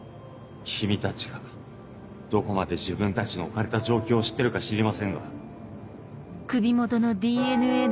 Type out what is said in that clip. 君たちがどこまで自分たちの置かれた状況を知ってるか知りませんが。